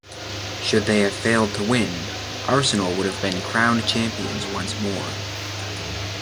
Should they have failed to win, Arsenal would have been crowned champions once more.